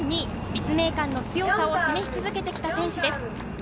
立命館の強さを示し続けてきた選手です。